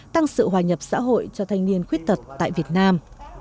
tăng sự hòa nhập xã hội cho thanh niên khuyết tật tại việt nam